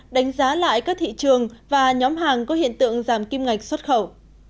đánh giá lại các thị trường và nhóm hàng có hiện tượng giảm kim ngạch xuất khẩu